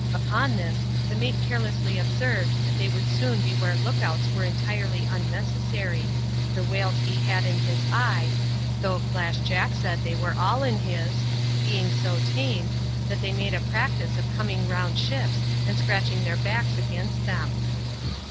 Upon this, the mate carelessly observed, that they would soon be where look oats were entirely unnecessary, the whales he had in his eye (though Flash Jack said they were all in his) being so tame, that they made a practice of coming round ships, and scratch ing their backs against them.